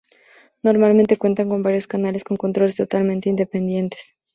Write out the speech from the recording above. Normalmente cuentan con varios canales con controles totalmente independientes.